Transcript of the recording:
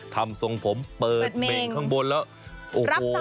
ทำทรงผมเปิดเบงข้างบนแล้ว